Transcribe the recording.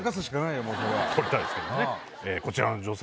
こちらの女性